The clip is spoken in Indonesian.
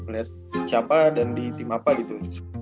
melihat siapa dan di tim apa gitu